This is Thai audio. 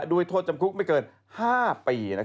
ด้วยโทษจำคลุกไม่เกิน๕ปี